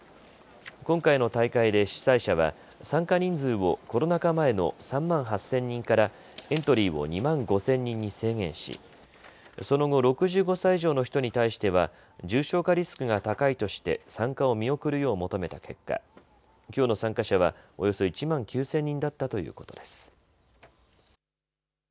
今回の大会で主催者は参加人数をコロナ禍前の３万８０００人からエントリーを２万５０００人に制限しその後、６５歳以上の人に対しては重症化リスクが高いとして参加を見送るよう求めた結果、きょうの参加者はおよそ１万９０００人だったということです。